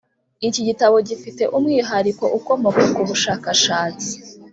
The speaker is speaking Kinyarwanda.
Iki gitabo gifite umwihariko ukomoka ku bushakashatsi